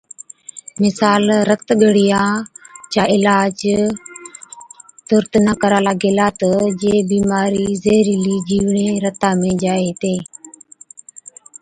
مثال، رت ڳڙِيان چا علاج تُرت نہ ڪرالا گيلا تہ جي بِيمارِي زهرِيلي جِيوڙين رتا ۾ جائي هِتين